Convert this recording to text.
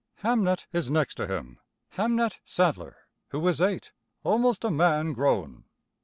Hamnet is next to him, Hamnet Sadler who is eight, almost a man grown.